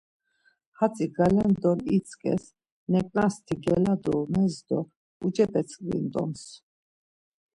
Hatzi galendon itzǩes, neǩnas ti geladumes do ucepe tskvit̆oms.